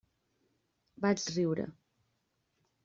Vaig riure.